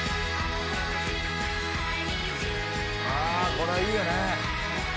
「これはいいよね」